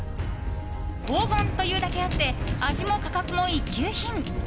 黄金というだけだって味も価格も一級品。